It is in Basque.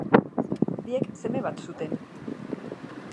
Biek seme bat zuten.